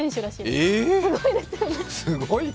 すごいですよね。